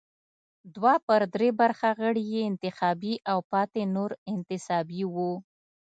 دوه پر درې برخه غړي یې انتخابي او پاتې نور انتصابي وو.